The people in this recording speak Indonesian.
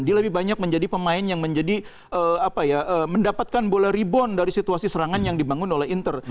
dia lebih banyak menjadi pemain yang menjadi mendapatkan bola rebound dari situasi serangan yang dibangun oleh inter